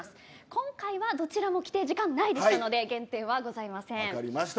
今回はどちらも規定時間内でしたので減点はございません。